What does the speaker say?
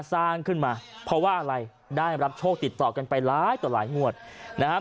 สร้างขึ้นมาเพราะว่าอะไรได้รับโชคติดต่อกันไปหลายต่อหลายงวดนะครับ